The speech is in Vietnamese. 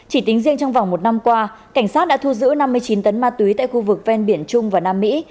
chỉ tính riêng trong vòng một năm qua cảnh sát đã thu giữ năm mươi chín tấn ma túy tại khu vực ven biển trung và nam mỹ